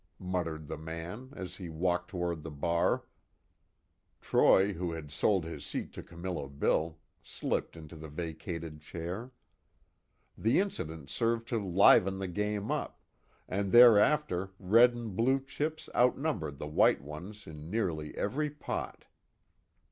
muttered the man, and as he walked toward the bar, Troy, who had sold his seat to Camillo Bill, slipped into the vacated chair. The incident served to liven the game up, and thereafter red and blue chips outnumbered the white ones in nearly every pot.